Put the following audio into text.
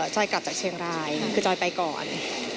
จอยกลับจากเชียงรายคือจอยไปก่อน